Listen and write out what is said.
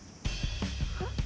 はっ？